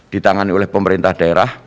ditangani oleh pemerintah daerah